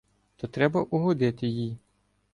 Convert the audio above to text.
То треба угодити їй.